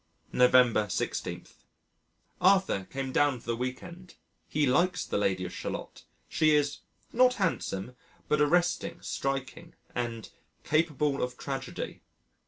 November 16. Arthur came down for the week end. He likes the Lady of Shalott. She is "not handsome, but arresting, striking" and "capable of tragedy."